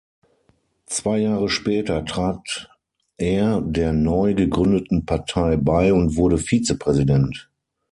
Zwei Jahre später trat er der neu gegründeten Partei bei und wurde Vizepräsident.